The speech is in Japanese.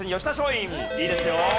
いいですよ！